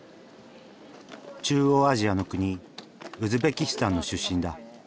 中央アジアの国ウズベキスタンの出身だ。